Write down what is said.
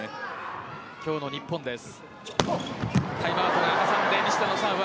今日の日本です。